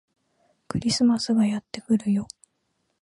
クリスマスがやってくるよ